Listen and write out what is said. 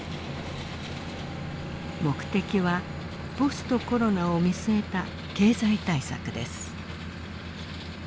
目的はポストコロナを見据えた経済対策です。